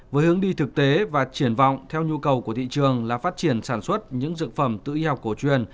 với hướng đi thực tế và triển vọng theo nhu cầu của thị trường là phát triển sản xuất những dược phẩm tự y học cổ truyền